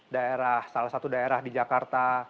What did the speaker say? daerah salah satu daerah di jakarta